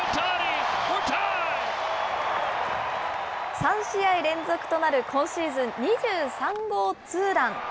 ３試合連続となる今シーズン２３号ツーラン。